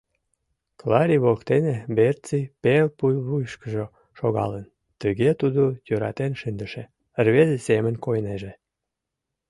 Клари воктене Берци пел пулвуйышкыжо шогалын, тыге тудо йӧратен шындыше рвезе семын койнеже.